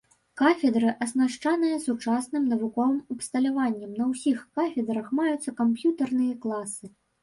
Кафедры аснашчаныя сучасным навуковым абсталяваннем, на ўсіх кафедрах маюцца камп'ютарныя класы.